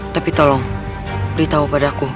tapi tolong beritahu padaku